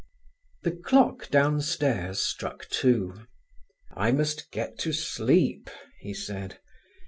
The clock downstairs struck two. "I must get to sleep," he said.